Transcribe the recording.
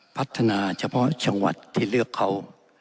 พัฒนาเฉพาะจังหวัดที่เลือกเขา